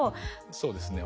そうですね